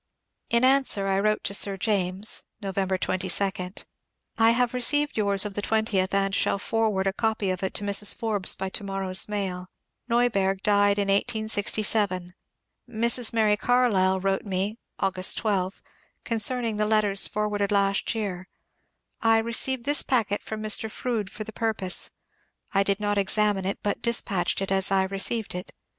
In answer I wrote to Sir James (November 22) :— I have received yours of the 20th, and shall forward a copy of it to Mrs. Forbes by to morrow's mail. JNeuberg died in 1867. Mrs. (Mary) Carlyle wrote me (August 12) concerning the letters forwarded last year, ^^ I received this packet from Mr. Froude for the purpose. I did not examine it, but dispatched it as I received it."